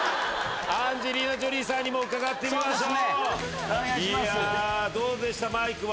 アンジェリーナ・ジョリーさんにも伺ってみましょう。